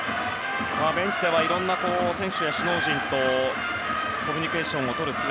ベンチではいろんな選手や首脳陣とコミュニケーションをとる姿。